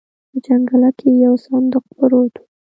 په جنګله کې يو صندوق پروت و.